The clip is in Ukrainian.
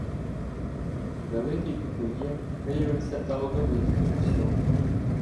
Великий кутюр'є виявився талановитим в усьому.